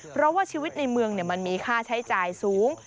เพราะว่าชีวิตในเมืองมันมีค่าใช้จ่ายสูง